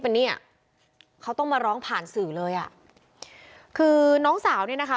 เป็นเนี่ยเขาต้องมาร้องผ่านสื่อเลยอ่ะคือน้องสาวเนี่ยนะคะ